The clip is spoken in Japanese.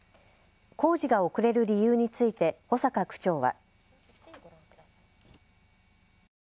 工事が遅れる理由について保坂区長は。